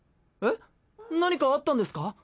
えっ何かあったんですか？